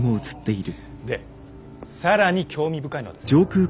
で更に興味深いのはですね